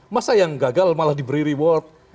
masa yang gagal malah diberi reward